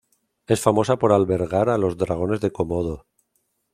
Es famosa por albergar a los dragones de Komodo.